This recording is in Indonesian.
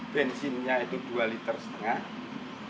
bensinnya itu dua liter setengah